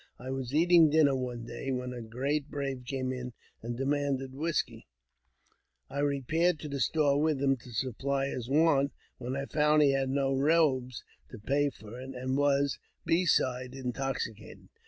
I was eating dinn^ one day, when a great brave came in and demanded whisk I repaired to the store with him to supply his want, when found he had no robe to pay for it, and was, besides, toxicated.